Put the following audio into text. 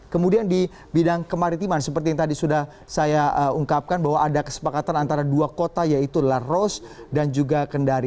kemudian di bidang kemaritiman seperti yang tadi sudah saya ungkapkan bahwa ada kesepakatan antara dua kota yaitu laros dan juga kendari